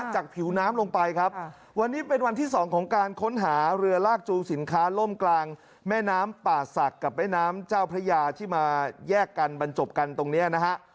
จากผิวน้ำลงไปครับวันนี้เป็นวันที่๒ของการค้นหาเรือลากจูสินค้าล่มกลางแม่น้ำป่าศักดิ์กับแม่น้ำเจ้าพระยาที่มาแยกกันบรรจบกันตรงนี้นะฮะ